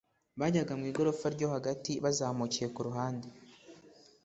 bajyaga mu igorofa ryo hagati bazamukiye kuruhande.